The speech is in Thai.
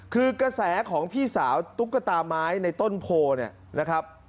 คือกระแสของพี่สาวตุ๊กตาไม้ในต้นโพเนี่ยนะครับ